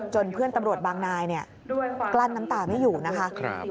เพื่อนตำรวจบางนายกลั้นน้ำตาไม่อยู่นะคะ